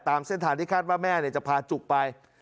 ตามเส้นทางที่คาดว่าแม่จะพาจุกไป